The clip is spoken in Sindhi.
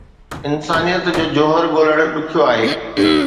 انسانيت جو جوهر ڳولڻ ڏکيو آهي.